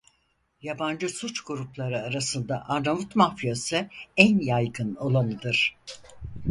Yabancı suç grupları arasında Arnavut mafyası en yaygın olanıdır.